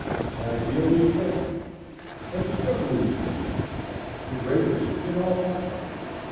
An idea was born; a discovery was made; the greatest in all time.